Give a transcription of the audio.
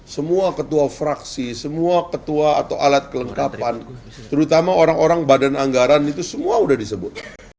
semua ketua fraksi semua ketua atau alat kelengkapan terutama orang orang badan anggaran itu semua sudah disebut